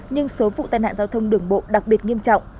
nhưng số vụ tai nạn giao thông đường bộ đặc biệt nghiêm trọng